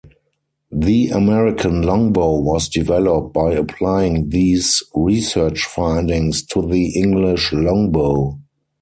The American longbow was developed by applying these research findings to the English longbow.